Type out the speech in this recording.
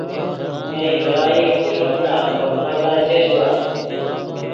مئے ڤرائی کُو ݰوت لا مف پتا چش وا